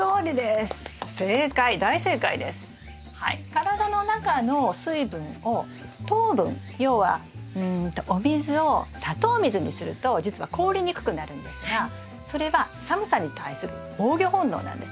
体の中の水分を糖分要はお水を砂糖水にすると実は凍りにくくなるんですがそれは寒さに対する防御本能なんですよね。